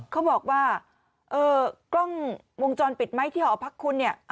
เขาบอกว่ากล้องวงจรปิดไหมที่หอพักคุณเนี่ย